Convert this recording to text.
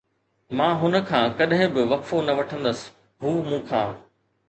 مان هن کان ڪڏهن به وقفو نه وٺندس، هو مون کان